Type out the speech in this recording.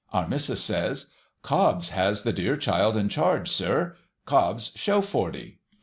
Our missis says, ' Cobbs has the dear child in charge, sir. Cobbs, show Forty